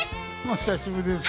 お久しぶりです。